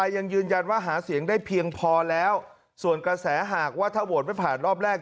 ยังยืนยันว่าหาเสียงได้เพียงพอแล้วส่วนกระแสหากว่าถ้าโหวตไม่ผ่านรอบแรก